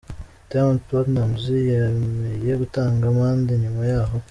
Diamond Platnumz yemeye gutanga amande nyuma y'aho